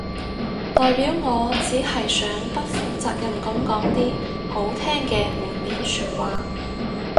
代表我只係想不負責任噉講啲好聽嘅門面說話